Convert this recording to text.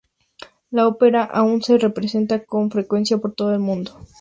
La ópera aún se representa con frecuencia por todo el mundo.